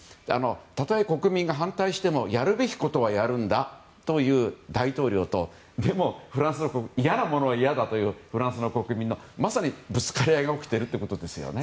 たとえ国民が反対してもやるべきことはやるんだという大統領とでも、いやなものはいやだというフランスの国民のぶつかり合いが起きているということですね。